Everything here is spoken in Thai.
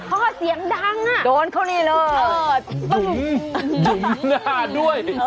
เขาก็เสียงดังอ่ะโดนเข้านี่เลยอ่อตุ้มดุ้มหน้าด้วย